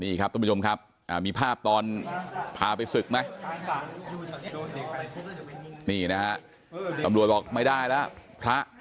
นี่ครับท่านผู้ชมครับมีภาพตอนพาไปศึกไหมนี่นะฮะตำรวจบอกไม่ได้แล้วพระ